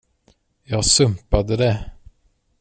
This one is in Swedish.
Jag sumpade det.